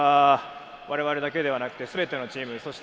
我々だけではなく、すべてのチーム。